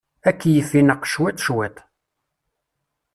Akeyyef ineqq cwiṭ cwiṭ.